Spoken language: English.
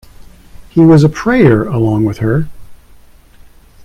He was a prayer along with her.